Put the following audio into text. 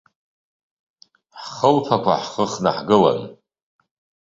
Ҳхылԥақәа ҳхыхны ҳгылан.